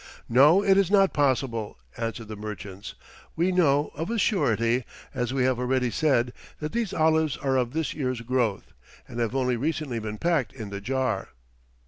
"No, it is not possible," answered the merchants. "We know, of a surety, as we have already said, that these olives are of this year's growth, and have only recently been packed in the jar."